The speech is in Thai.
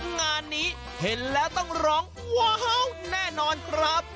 งานนี้เห็นแล้วต้องร้องว้าวแน่นอนครับ